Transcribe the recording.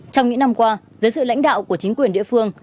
trong những năm qua dưới sự lãnh đạo của chính quyền địa phương